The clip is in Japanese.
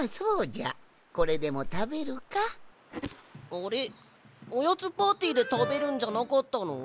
あれおやつパーティーでたべるんじゃなかったの？